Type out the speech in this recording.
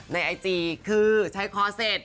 ในไอจีคือใช้คอเสร็จ